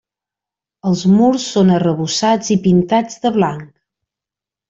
Els murs són arrebossats i pintats de blanc.